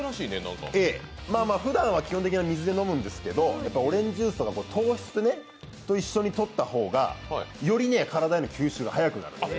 ふだんは基本的に水で飲むんですけどもオレンジジュースとか糖質と一緒にとった方がより体への吸収が早くなる。